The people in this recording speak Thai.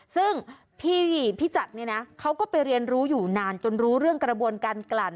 ซึ่งพี่จัดเนี่ยนะเขาก็ไปเรียนรู้อยู่นานจนรู้เรื่องกระบวนการกลั่น